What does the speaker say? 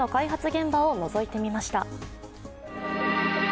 現場をのぞいてみました。